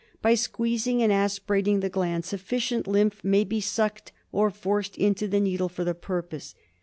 By squeezing and aspirating the gland, sufficient lymph may be sucked or forced into the needle for the purpose.